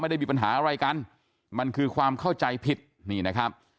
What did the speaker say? ไม่ได้มีปัญหาอะไรกันมันคือความเข้าใจผิดนี่นะครับ